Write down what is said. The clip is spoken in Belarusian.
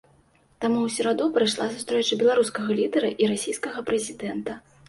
Там у сераду прайшла сустрэча беларускага лідара і расійскага прэзідэнта.